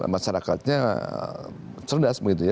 masyarakatnya cerdas begitu ya